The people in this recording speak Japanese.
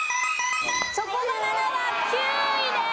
チョコバナナは９位です。